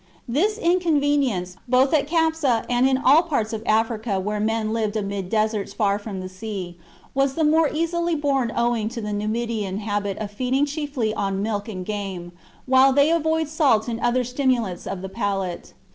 This incon venience, both at Capsa and in all parts of Africa where men lived amid deserts far from the sea,, was the more easily borne owing to the Numidian habit of feeding chiefly on milk and game, while they avoid salt and other stimulants of the palate.